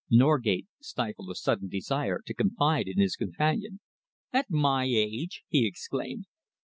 Norgate stifled a sudden desire to confide in his companion. "At my age!" he exclaimed.